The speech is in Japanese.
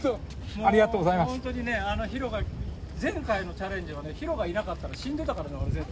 本当にね、ひろが、前回のチャレンジはね、ひろがいなかったら死んでたからね、俺、絶対。